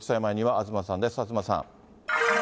東さん。